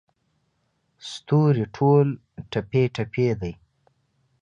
ستوري ټول ټپې، ټپي دی